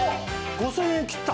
５０００円切った？